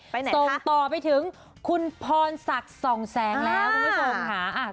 ส่งต่อไปถึงคุณพรศักดิ์ส่องแสงแล้วคุณผู้ชมค่ะ